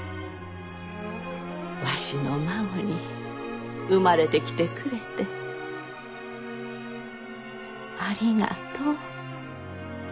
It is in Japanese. わしの孫に生まれてきてくれてありがとう。